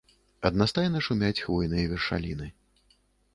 Аднастайна шумяць хвойныя вершаліны.